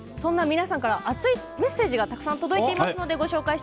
皆さんから熱いメッセージがたくさん届いています。